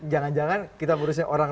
jangan jangan kita ngurusin orang